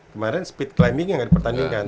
kemarin speed climbingnya gak di pertandingan